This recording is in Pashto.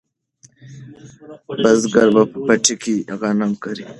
بزګر په پټي کې غنم کري.